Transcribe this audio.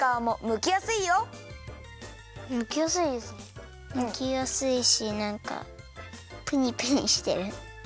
むきやすいしなんかプニプニしてる。